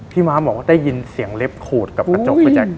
ม้าบอกว่าได้ยินเสียงเล็บขูดกับกระจกพี่แจ๊ค